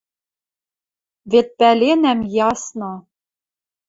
Вет пӓленӓм ясно: